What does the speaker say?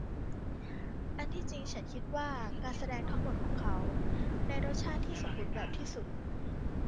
อันที่จริงฉันคิดว่าการแสดงทั้งหมดของเขาในรสชาติที่สมบูรณ์แบบที่สุด